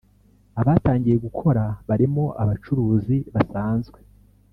abatangiye gukora barimo abacuruzi basanzwe